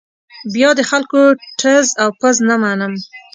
بیا د خلکو ټز او پز نه منم.